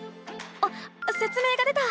あっせつ明が出た！